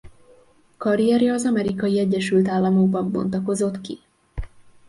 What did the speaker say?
Karrierje az Amerikai Egyesült Államokban bontakozott ki.